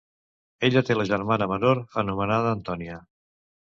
Ella té la germana menor anomenada Antonia.